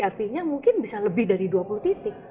artinya mungkin bisa lebih dari dua puluh titik